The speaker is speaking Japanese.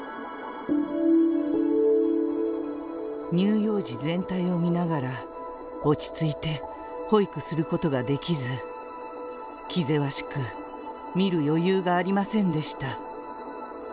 乳幼児全体を見ながら落ち着いて保育することができず気ぜわしく見る余裕がありませんでした。